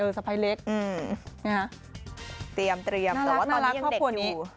เตรียมแต่ว่าตอนนี้ยังเด็กอยู่น่ารักครอบครัวนี้